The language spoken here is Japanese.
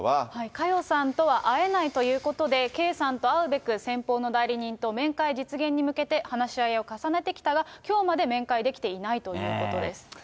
佳代さんとは会えないということで、圭さんと会うべく、先方の代理人と面会実現に向けて、話し合いを重ねてきたが、きょうまで面会できていないということです。